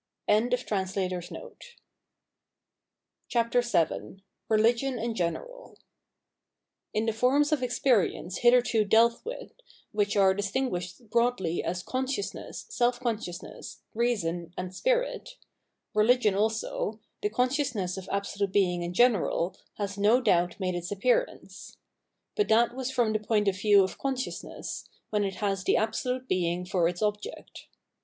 ] VII Religion in General I N the forms of experience hitherto dealt with — which are distinguished broadly as Consciousness, Self consciousness, Reason, and Spirit — ^Religion also, the consciousness of Absolute Being in general, has no doubt made its appearance. But that was from the point of view of consciousness, when it has the Absolute Being for its object.